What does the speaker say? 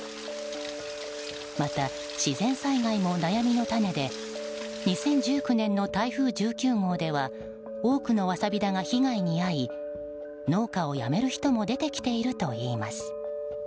また、自然災害も悩みの種で２０１９年の台風１９号では多くのワサビ田が被害に遭い農家をやめる人も出てきているといいます。